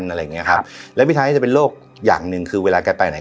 อะไรอย่างเงี้ครับแล้วพี่ไทยก็จะเป็นโรคอย่างหนึ่งคือเวลาแกไปไหน